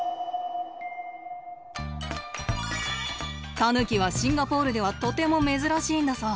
タヌキはシンガポールではとても珍しいんだそう。